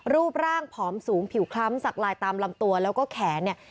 รูปร่างผอมสูงผิวคล้ำสักลายตามลำตัวแล้วก็แขนเนี่ย